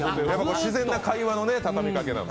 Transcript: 自然な会話の畳みかけなので。